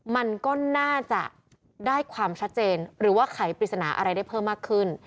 มันก็น่าจะได้ความชัดเจนหรือว่าไขปริศนาอะไรได้เพิ่มมากขึ้น